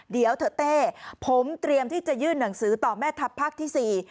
เดี๋ยวเถอะเต้ผมเตรียมที่จะยื่นหนังสือต่อแม่ทัพภาคที่๔